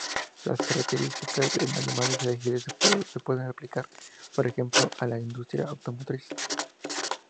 Las características de animales ágiles se pueden aplicar por ejemplo a la industria automotriz.